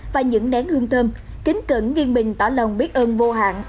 và những nén hương thơm kính cẩn nghiêng bình tỏ lòng biết ơn vô hạn